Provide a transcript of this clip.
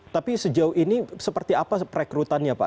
tapi sejauh ini seperti apa perekrutannya pak